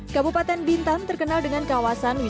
kabupaten bintan terkenal dengan kawasan yang berbeda